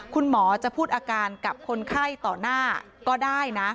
คุณหมอจะพูดอาการกับคนไข้ต่อหน้าก็ได้นะ